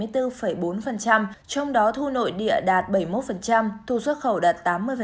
trong đó thu nội địa đạt bảy mươi một thu xuất khẩu đạt tám mươi